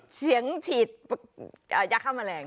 เสียงฉีดยาฆ่าแมลง